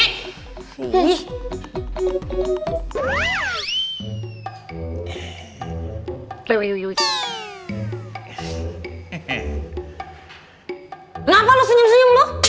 kenapa lo senyum senyum lo